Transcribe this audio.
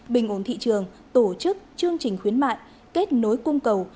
bình ổn thị trường tổ chức chương trình khuyến mại kết nối cung cầu